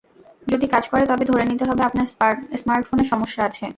যদি কাজ করে, তবে ধরে নিতে হবে আপনার স্মার্টফোনে সমস্যা আছে।